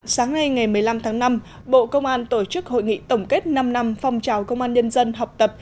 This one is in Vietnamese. sáng nay ngày một mươi năm tháng năm bộ công an tổ chức hội nghị tổng kết năm năm phong trào công an nhân dân học tập